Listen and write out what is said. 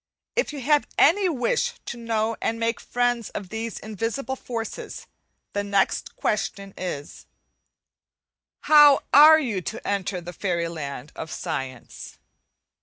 If you have any wish to know and make friends of these invisible forces, the next question is How are you to enter the fairy land of science?